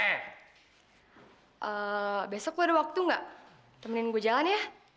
eh besok gue ada waktu gak temenin gue jalan ya